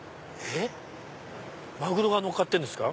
マグロがのっかってんですか？